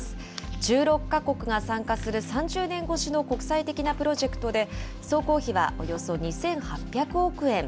１６か国が参加する、３０年越しの国際的なプロジェクトで、総工費はおよそ２８００億円。